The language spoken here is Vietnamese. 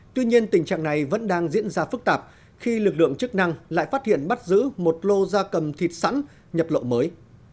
tuy nhiên tình trạng này vẫn đang diễn ra phức tạp khi lực lượng chức năng lại phát hiện bắt giữ một lô da cầm thịt sẵn nhập lộ mới